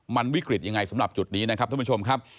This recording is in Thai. มันวิกฤตยังไงสำหรับจุดนี้นะครับท่านผู้ชมครับ